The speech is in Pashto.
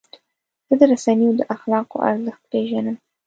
زه د رسنیو د اخلاقو ارزښت پیژنم.